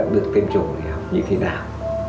được tiêm chủ thì học như thế nào